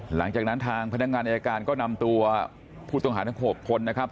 หลังจากนั้นทางพนักงานอายการก็นำตัวผู้ต้องหาทั้ง๖คนนะครับ